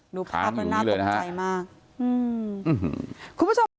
หนูพาเพื่อนหน้าตกใจมาก